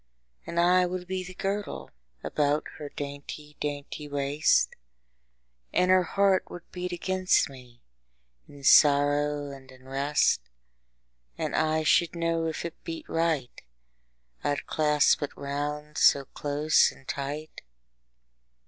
And I would be the girdle About her dainty dainty waist, And her heart would beat against me, In sorrow and in rest: 10 And I should know if it beat right, I'd clasp it round so close and tight.